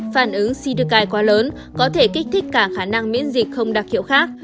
phản ứng siduca quá lớn có thể kích thích cả khả năng miễn dịch không đặc hiệu khác